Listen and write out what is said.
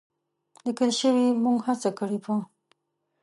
لیکل شوې، موږ هڅه کړې په